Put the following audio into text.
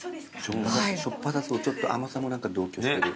しょっぱさとちょっと甘さも何か同居してる。